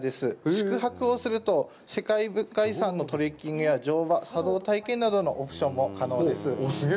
宿泊をすると世界文化遺産のトレッキングや乗馬、茶道体験などのオプションも可能です。